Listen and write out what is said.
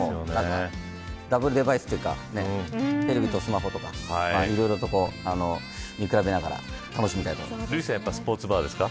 ダブルデバイスというかテレビとスマホとかいろいろ見比べながら瑠麗さんスポーツバーですか。